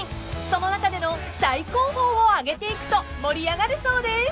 ［その中での最高峰を挙げていくと盛り上がるそうです］